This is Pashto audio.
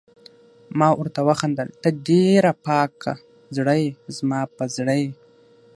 ما ورته وخندل: ته ډېره پاک زړه يې، زما په زړه یې.